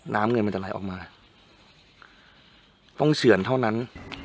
น้ำเงินมันจะไหลออกมาต้องเฉื่อนเท่านั้น